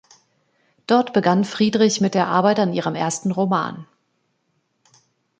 Dort begann Friedrich mit der Arbeit an ihrem ersten Roman.